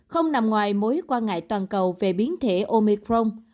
không nằm ngoài mối quan ngại toàn cầu về biến thể omecron